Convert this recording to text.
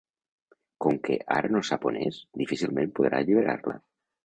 Com que ara no sap on és, difícilment podrà alliberar-la.